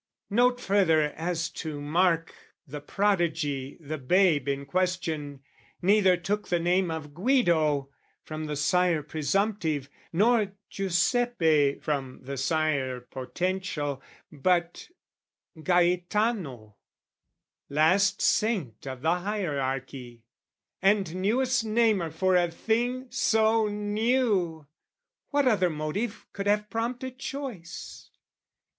Note, further, as to mark the prodigy, The babe in question neither took the name Of Guido, from the sire presumptive, nor Giuseppe, from the sire potential, but Gaetano last saint of the hierarchy, And newest namer for a thing so new: What other motive could have prompted choice?